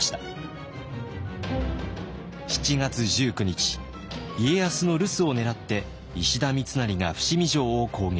７月１９日家康の留守を狙って石田三成が伏見城を攻撃。